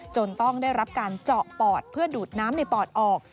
ต้องได้รับการเจาะปอดเพื่อดูดน้ำในปอดออก